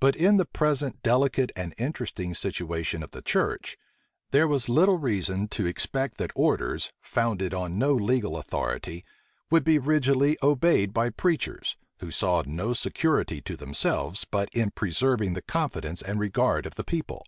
But in the present delicate and interesting situation of the church, there was little reason to expect that orders, founded on no legal authority, would be rigidly obeyed by preachers, who saw no security to themselves but in preserving the confidence and regard of the people.